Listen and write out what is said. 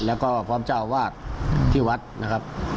แล้วก็พร้อมเจ้าวาดที่วัดนะครับ